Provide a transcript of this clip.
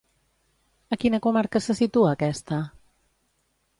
A quina comarca se situa aquesta?